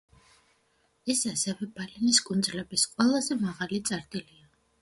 ეს ასევე ბალენის კუნძულების ყველაზე მაღალი წერტილია.